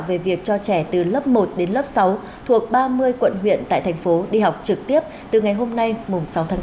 về việc cho trẻ từ lớp một đến lớp sáu thuộc ba mươi quận huyện tại thành phố đi học trực tiếp từ ngày hôm nay mùng sáu tháng bốn